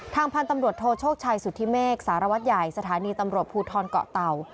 พันธุ์ตำรวจโทโชคชัยสุธิเมฆสารวัตรใหญ่สถานีตำรวจภูทรเกาะเต่า